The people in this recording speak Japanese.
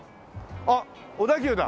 あっ小田急だ！